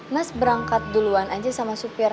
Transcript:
mas berangkat duluan aja sama supir